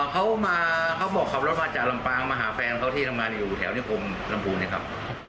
เขามาเขาบอกขับรถมาจากลำปางมาหาแฟนเขาที่ทำงานอยู่แถวนิคมลำพูนนะครับ